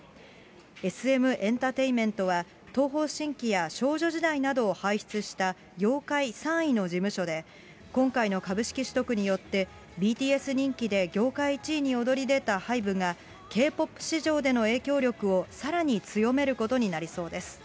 ＳＭエンタテインメントは、東方神起や少女時代などを輩出した、業界３位の事務所で、今回の株式取得によって、ＢＴＳ人気で業界１位に躍り出たハイブが、Ｋ−ＰＯＰ市場での影響力をさらに強めることになりそうです。